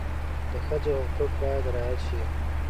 د ښځو حقوق باید رعایت شي.